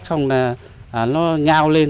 xong là nó nhao lên